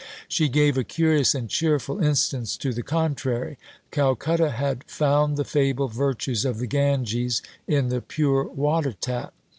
She gave "a curious and cheerful" instance to the contrary. Calcutta had "found the fabled virtues of the Ganges in the pure water tap."